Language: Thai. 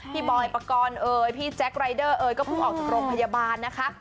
บอยปกรณ์เอ่ยพี่แจ๊ครายเดอร์เอยก็เพิ่งออกจากโรงพยาบาลนะคะ